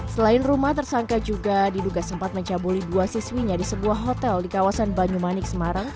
selain rumah tersangka juga diduga sempat mencabuli dua siswinya di sebuah hotel di kawasan banyumanik semarang